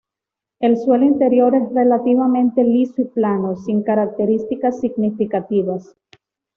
El suelo interior es relativamente liso y plano, sin características significativas.